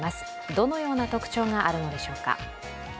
どのような特徴があるのでしょうか。